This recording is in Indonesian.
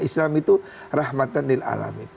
islam itu rahmatan lalamin